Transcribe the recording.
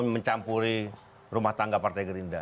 mencampuri rumah tangga partai gerinda